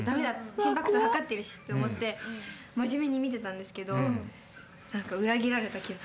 心拍数測ってるし」と思って真面目に見てたんですけど裏切られた気分です。